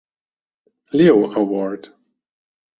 Leo Award